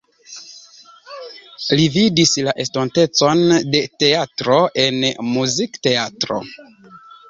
Li vidas la estontecon de teatro en muzikteatro.